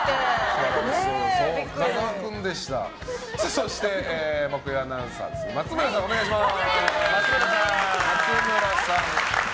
そして、木曜アナウンサー松村さん、お願いします。